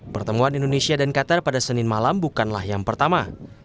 pertemuan indonesia dan qatar pada senin malam bukanlah yang pertama